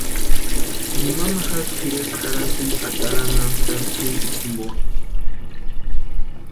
Mamajasï tʼirekwa jarhasti ataranhantani kwʼinchika jimpo.